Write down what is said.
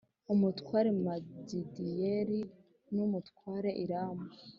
umutware Magidiyeli n umutware Iramu